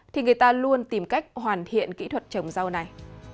thì người ta luôn tìm cách hoàn thiện kỹ thuật trồng rau này